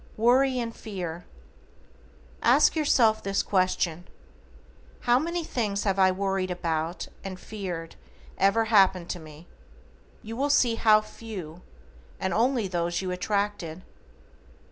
=WORRY AND FEAR:= Ask yourself this question: "How many things I have worried about and feared ever happened to me?" You will see how few, and only those you attracted.